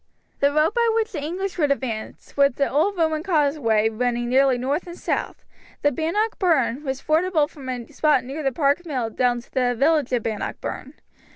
The road by which the English would advance was the old Roman causeway running nearly north and south. The Bannock Burn was fordable from a spot near the Park Mill down to the village of Bannockburn.